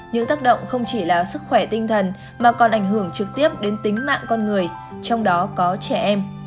những tác động không chỉ là sức khỏe tinh thần mà còn ảnh hưởng trực tiếp đến tính mạng con người trong đó có trẻ em